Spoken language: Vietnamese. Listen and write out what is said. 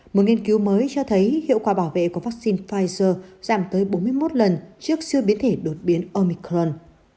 một nghiên cứu mới cho thấy hiệu quả bảo vệ của vaccine pfizer giảm tới bốn mươi một lần trước siêu biến thể đột biến omicron